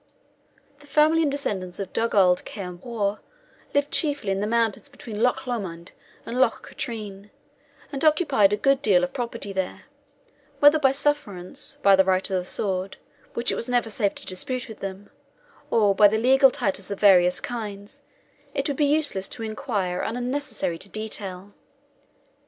The family and descendants of Dugald Ciar Mhor lived chiefly in the mountains between Loch Lomond and Loch Katrine, and occupied a good deal of property there whether by sufferance, by the right of the sword, which it was never safe to dispute with them, or by legal titles of various kinds, it would be useless to inquire and unnecessary to detail.